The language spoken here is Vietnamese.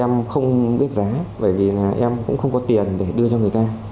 em không biết giá bởi vì là em cũng không có tiền để đưa cho người ta